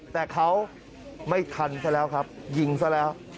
แต่เขาไม่ทันซะแล้วครับยิงซะแล้ว